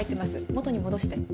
元に戻して。